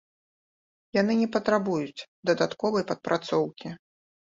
Яны не патрабуюць дадатковай падпрацоўкі.